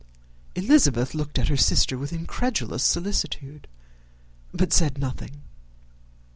Elizabeth looked at her sister with incredulous solicitude, but said nothing.